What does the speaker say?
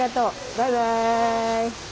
バイバイ。